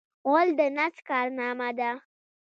غول د نس کارنامه ده.